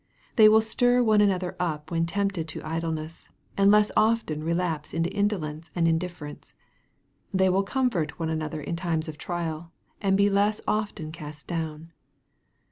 They will stir one another up when tempted to idleness, and less often relapse into in dolence and indifference. They will comfort one another in times of trial, and be less often cast down.